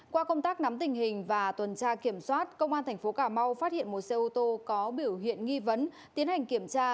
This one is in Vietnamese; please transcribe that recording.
qua công tác nắm tình hình và tuần tra kiểm soát công an tp cà mau phát hiện một xe ô tô có biểu hiện nghi vấn tiến hành kiểm tra